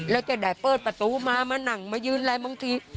แล้วจะได้เปิดประตูมามานั่งมายืนอะไรบางที